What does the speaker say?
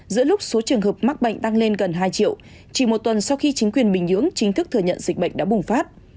giữa lúc số trường hợp mắc bệnh tăng lên gần hai triệu chỉ một tuần sau khi chính quyền bình nhưỡng chính thức thừa nhận dịch bệnh đã bùng phát